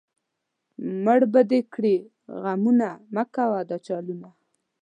مړ به دې کړي غمونه، مۀ کوه دا چلونه